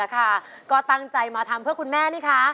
แล้วน้องใบบัวร้องได้หรือว่าร้องผิดครับ